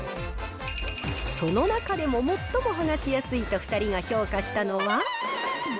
その中でも最も剥がしやすいと２人が評価したのは。